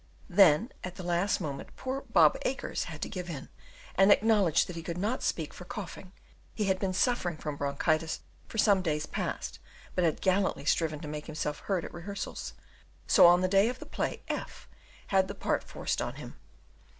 Then, at the last moment, poor "Bob Acres" had to give in, and acknowledge that he could not speak for coughing; he had been suffering from bronchitis for some days past, but had gallantly striven to make himself heard at rehearsals; so on the day of the play F had the part forced on him.